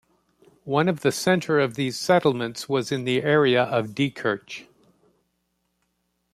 One of the centre of these settlements was in the area of Diekirch.